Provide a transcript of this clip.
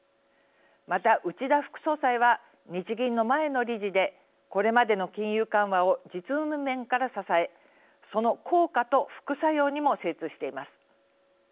また、内田副総裁は日銀の前の理事でこれまでの金融緩和を実務面から支えその効果と副作用にも精通しています。